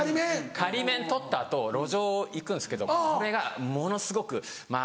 仮免取った後路上行くんですけどこれがものすごくまぁ